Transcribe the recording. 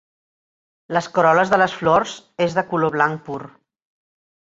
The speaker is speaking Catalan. Les corol·les de les flors és de color blanc pur.